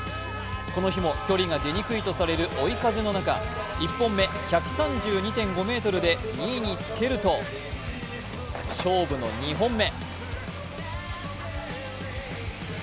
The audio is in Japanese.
この日も距離が出にくいとされる追い風の中、１本目、１３２．５ｍで２位につけると、勝負の２本目。